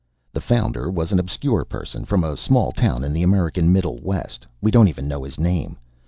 "The Founder was an obscure person from a small town in the American Middle West. We don't even know his name.